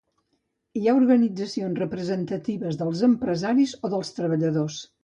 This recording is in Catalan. Hi ha organitzacions representatives dels empresaris o dels treballadors.